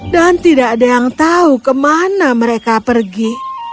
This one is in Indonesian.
dan tidak ada yang tahu kemana mereka pergi